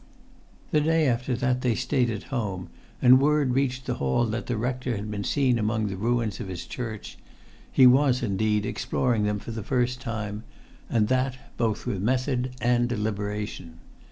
The day after that they stayed at home, and word reached the hall that the rector had been seen among the ruins of his church; he was, indeed, exploring them for the first time, and that both with method and deliberation.